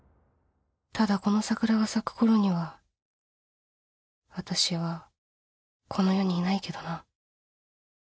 ただこの桜が咲くころには私はこの世にいないけどな